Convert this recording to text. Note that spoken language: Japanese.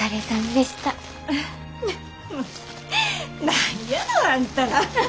何やのあんたら。